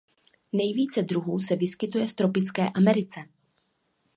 Nejvíce druhů se vyskytuje v tropické Americe.